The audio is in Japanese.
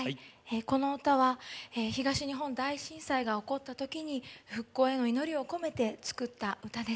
この歌は東日本大震災が起こったときに復興への祈りを込めて作った歌です。